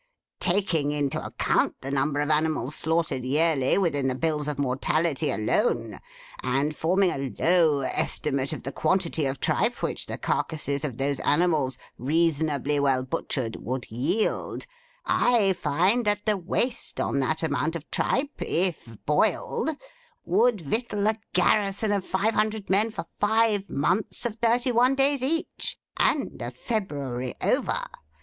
Taking into account the number of animals slaughtered yearly within the bills of mortality alone; and forming a low estimate of the quantity of tripe which the carcases of those animals, reasonably well butchered, would yield; I find that the waste on that amount of tripe, if boiled, would victual a garrison of five hundred men for five months of thirty one days each, and a February over.